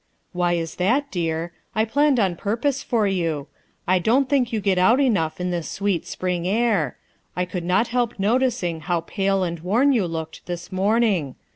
"Why is that, dear? I planned on purpose for you. I don't think you get out enough in this sweet spring air. I could not help r , t> _ ticing how pale and worn you looked this morning.